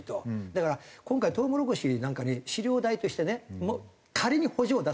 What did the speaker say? だから今回トウモロコシなんかに飼料代としてね仮に補助を出すとするじゃないですか。